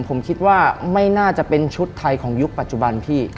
ผมคิดว่าไม่น่าจะเป็นชุดไทยของยุคปัจจุบันพี่